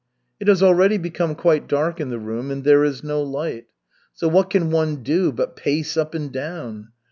It has already become quite dark in the room, and there is no light. So what can one do but pace up and down?